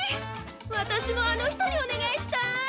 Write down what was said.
私もあの人にお願いしたい！